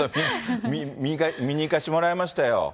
見にいかせてもらいましたよ。